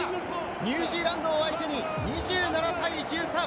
ニュージーランドを相手に２７対１３。